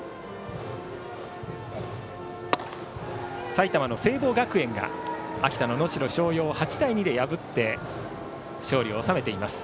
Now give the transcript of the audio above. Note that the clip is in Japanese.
埼玉・聖望学園が秋田の能代松陽を８対２で破って勝利を収めています。